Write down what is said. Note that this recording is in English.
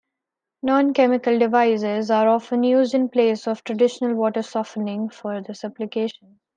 Non-chemical devices are often used in place of traditional water softening for this application.